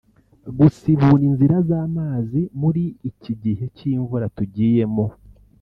gusibura inzira z’amazi muri iki gihe cy’imvura tugiyemo